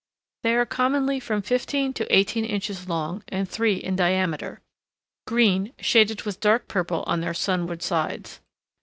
They are commonly from fifteen to eighteen inches long, and three in diameter; green, shaded with dark purple on their sunward sides.